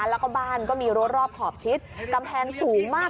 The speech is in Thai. แล้วก็บ้านก็มีรัวรอบขอบชิดกำแพงสูงมาก